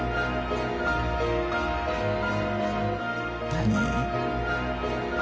何？